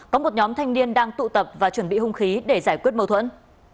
có một nhóm thanh niên đang tụ tập và chuẩn bị hung khí để giải quyết mâu thuẫn